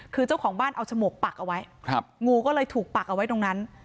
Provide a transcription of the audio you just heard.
คือเจ้าของบ้านเอาฉมวกปักเอาไว้งูก็เลยถูกปักเอาไว้ตรงนั้น